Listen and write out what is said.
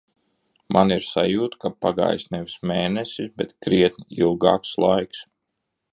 Man ir sajūta, ka pagājis nevis mēnesis, bet krietni ilgāks laiks.